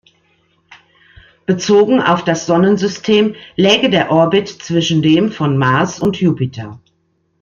Bezogen auf das Sonnensystem läge der Orbit zwischen dem von Mars und Jupiter.